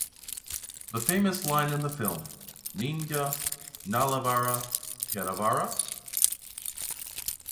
The famous line in the film, Neenga Nallavara Kettavara?